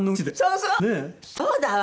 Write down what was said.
そうだわ。